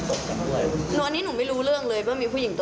กลุ่มวัยรุ่นฝั่งพระแดง